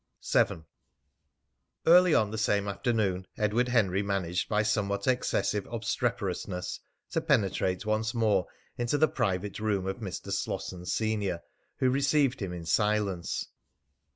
VII. Early on the same afternoon Edward Henry managed by a somewhat excessive obstreperousness to penetrate once more into the private room of Mr. Slosson, senior, who received him in silence.